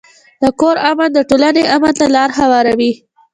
د کور امن د ټولنې امن ته لار هواروي.